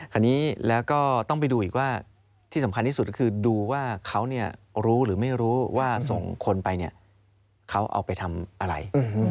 คราวนี้แล้วก็ต้องไปดูอีกว่าที่สำคัญที่สุดก็คือดูว่าเขารู้หรือไม่รู้ว่าส่งคนไปเนี่ยเขาเอาไปทำอะไร